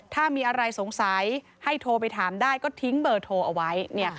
ถ้ามีอะไรสงสัยให้โทรไปถามได้ก็ทิ้งเบอร์โทรเอาไว้